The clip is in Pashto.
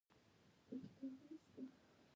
هلمند سیند د افغان ځوانانو لپاره ډېره دلچسپي لري.